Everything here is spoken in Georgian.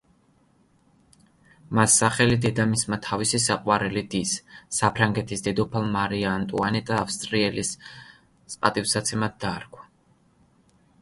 მას სახელი დედამისმა თავისი საყვარელი დის, საფრანგეთის დედოფალ მარია ანტუანეტა ავსტრიელის პატივსაცემად დაარქვა.